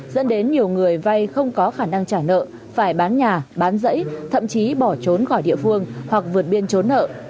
dẫn đến nhiều người vay không có khả năng trả nợ phải bán nhà bán rẫy thậm chí bỏ trốn khỏi địa phương hoặc vượt biên trốn nợ